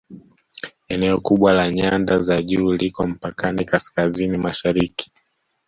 Eneo kubwa la nyanda za juu liko mpakani Kaskazini Mashariki